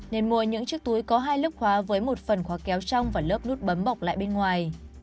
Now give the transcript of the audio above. nên mua những chiếc túi có hai lớp khóa với một phần khóa kéo trong và lớp nút bấm bọc lại bên ngoài